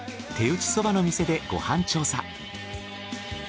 手打ちそばの店でご飯調査。